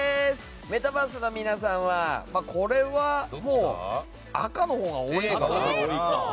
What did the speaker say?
メタバースの皆さんは赤のほうが多いかな。